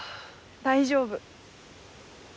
大丈夫。